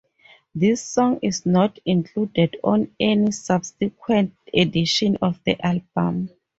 This song is not included on any subsequent editions of the album.